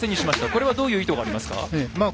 これはどういう意図がありますか？